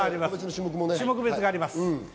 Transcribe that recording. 種目別があります。